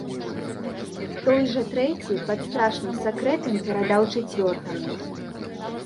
Той жа трэці пад страшным сакрэтам перадаў чацвёртаму.